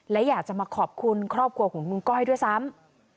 และอยากจะมาขอบคุณครอบครัวของคุณก้อยด้วยซ้ำ